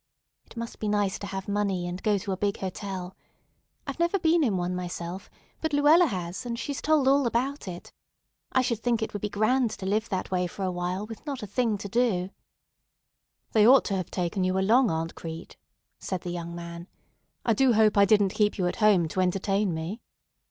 It must be nice to have money and go to a big hotel. I've never been in one myself; but Luella has, and she's told all about it. I should think it would be grand to live that way awhile with not a thing to do." [Illustration: "HE HELPED WITH VIGOR"] "They ought to have taken you along, Aunt Crete," said the young man. "I do hope I didn't keep you at home to entertain me."